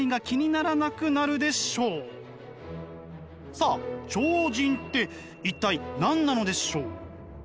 さあ超人って一体何なのでしょう？